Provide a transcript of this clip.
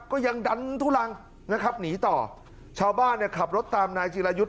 ก็ยังดันทุลังนะครับหนีต่อชาวบ้านเนี่ยขับรถตามนายจิรายุทธ์